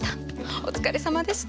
お疲れさまでした。